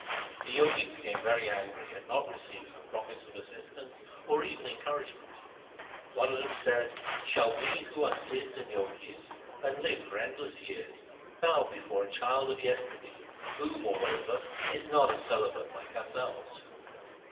The Jogis became very angry at not receiving a promise of assistance or even encouragement. One of them said, ' Shall we who are Sidhs and Jogis, and live for endless years, bow before a child of yesterday, who, moreover, is not a celibate like ourselves